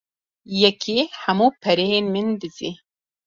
Yekî hemû pereyê min dizî.